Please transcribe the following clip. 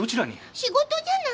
仕事じゃない？